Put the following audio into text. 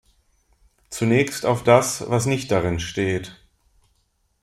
Zunächst auf das, was nicht darin steht.